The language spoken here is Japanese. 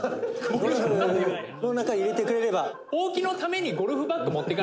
「ゴルフの中に入れてくれれば」